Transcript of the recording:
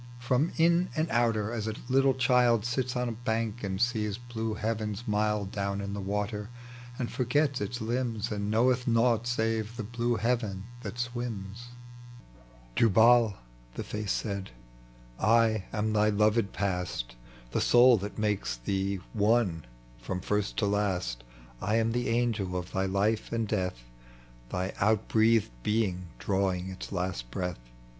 39 From iu and outer, as a little chiM Sits on a bank and sees blue heavens mild Down in the water, and foigeta its limbs, And knoweth nought save the blue heaven that swims. " Jubal," tho face said, " I am thy loved Past, The soul that mates thee one from first to last. I am the angel of thy life and death, Thy outbreathed being drawing its last breath.